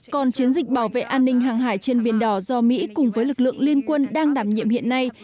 còn chiến dịch bảo vệ an ninh hàng hải trên biển đỏ do mỹ cùng với lực lượng liên quân đang đảm nhiệm hiện nay